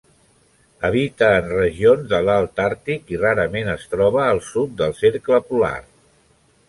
Habita en regions de l'alt àrtic, i rarament es troba al sud del Cercle Polar.